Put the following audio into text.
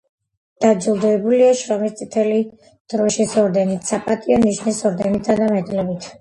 დაჯილდოებულია შრომის წითელი დროშის ორდენით, „საპატიო ნიშნის“ ორდენითა და მედლებით.